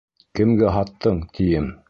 Кемгә һаттың, тием!